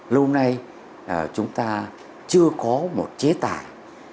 lâu nay chúng ta chưa có một chế tài